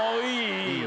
いいよ。